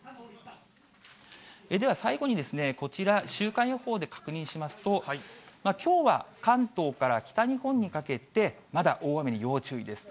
では最後にこちら、週間予報で確認しますと、きょうは関東から北日本にかけて、まだ大雨に要注意です。